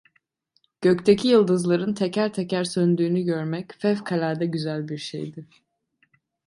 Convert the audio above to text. Gökteki yıldızların teker teker söndüğünü görmek fevkalade güzel bir şeydi.